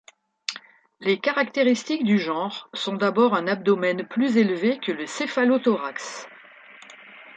Les caractéristiques du genres sont d'abord un abdomen plus élevé que le céphalothorax.